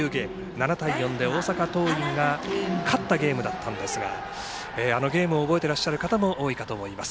７対４で大阪桐蔭が勝ったゲームだったんですがあのゲームを覚えてらっしゃる方も多いかと思います。